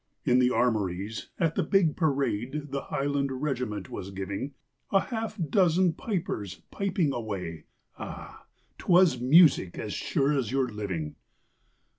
In the armories, at the big parade The highland regiment was giving, A half dozen pipers piping away Ah! 'twas music, as sure as your living.